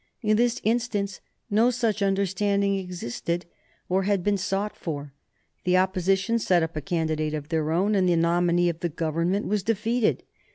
In this instance no such understanding existed, or had been sought for. The Opposition set up a candidate of their own, and the nominee of the Government was defeated.